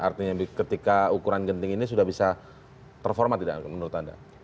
artinya ketika ukuran genting ini sudah bisa terformat tidak menurut anda